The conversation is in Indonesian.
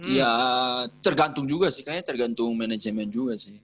ya tergantung juga sih kayaknya tergantung manajemen juga sih